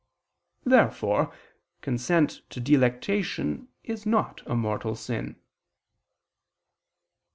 Therefore consent to delectation is not a mortal sin.